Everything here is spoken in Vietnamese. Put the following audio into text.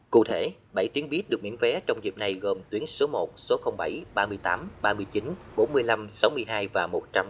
cụ thể bảy tuyến buýt được miễn vé trong dịp này gồm tuyến số một số bảy ba mươi tám ba mươi chín bốn mươi năm sáu mươi hai và một trăm năm mươi